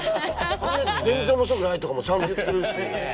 全然おもしろくないとかもちゃんと言ってくれて。